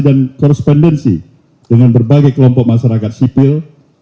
dan korespondensi dengan berbagai kelompok masyarakat sipil